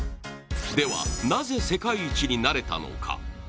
ではなぜ世界一になれたのか。